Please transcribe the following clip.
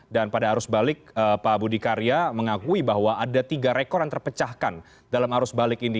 dan pada arus balik pak budi karya mengakui bahwa ada tiga rekor yang terpecahkan dalam arus balik ini